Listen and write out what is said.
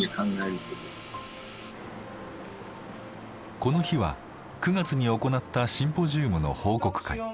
この日は９月に行ったシンポジウムの報告会。